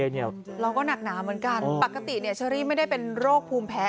เนี่ยเราก็หนักหนาเหมือนกันปกติเนี่ยชิริไม่ได้เป็นโรคภูมิแพ้